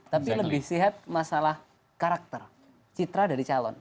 tapi lebih sehat masalah karakter citra dari calon